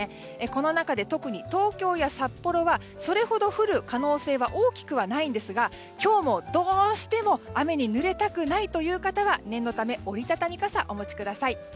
この中で特に東京や札幌はそれほど降る可能性は大きくはないんですが今日もどうしても雨にぬれたくないという方は念のため折り畳み傘をお持ちください。